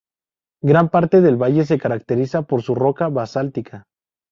Gran parte del valle se caracteriza por su roca basáltica.